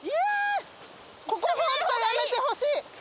ここ本当やめてほしい。